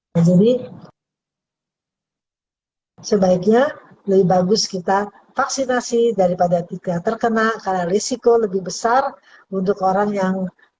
jadi sebaiknya lebih bagus kita vaksinasi daripada tidak terkena karena risiko lebih besar untuk orang yang terkena